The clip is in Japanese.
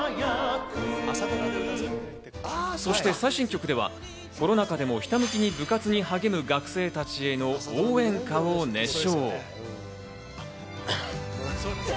そして最新曲ではコロナ禍でもひたむきに部活に励む学生たちへの応援歌を熱唱。